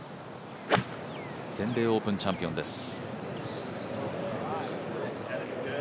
全米オープンチャンピオンです。